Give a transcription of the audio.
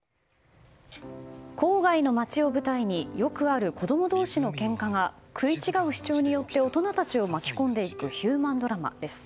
郊外の町を舞台によくある子供同士のけんかが食い違う主張によって大人たちを巻き込んでいくヒューマンドラマです。